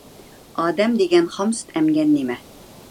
ئادەم دېگەن خام سۈت ئەمگەن نېمە.